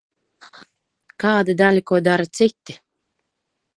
Kāda daļa ko dara citi.